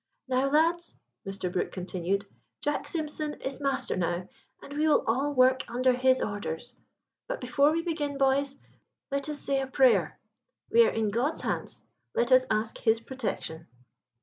"Now, lads," Mr. Brook continued, "Jack Simpson is master now, and we will all work under his orders. But before we begin, boys, let us say a prayer. We are in God's hands; let us ask His protection."